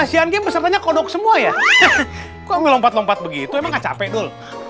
ini biar khusus betul betul